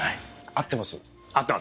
合ってます。